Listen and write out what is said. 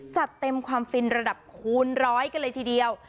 จัดเต็มความฟินระดับคูณร้อยกันเลยทีเดียว